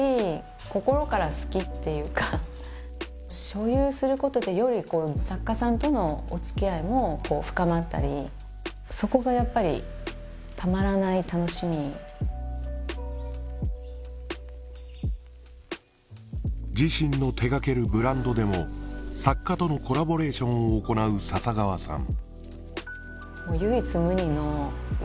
所有することでより作家さんとのおつきあいも深まったりそこがやっぱりたまらない楽しみ自身の手がけるブランドでも作家とのコラボレーションを行う笹川さん